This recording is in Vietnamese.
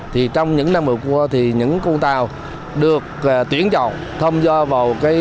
trong những năm vừa qua thì những con tàu được tuyển chọn tham gia vào